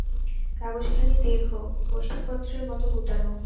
কাগজখানি দীর্ঘ, কোষ্ঠীপত্রের মতো গুটানো।